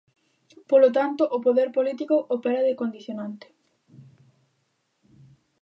Polo tanto, o poder político opera de condicionante.